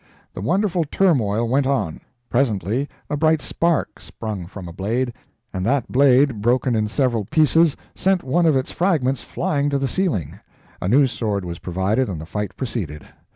The wonderful turmoil went on presently a bright spark sprung from a blade, and that blade broken in several pieces, sent one of its fragments flying to the ceiling. A new sword was provided and the fight proceeded.